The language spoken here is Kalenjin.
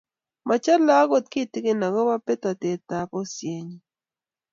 Machole akot kitikin akoba betotet ab bosihen nyu